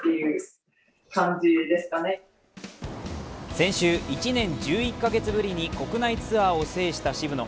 先週、１年１１カ月ぶりに国内ツアーを制した渋野。